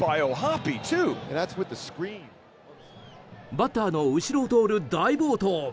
バッターの後ろを通る大暴投。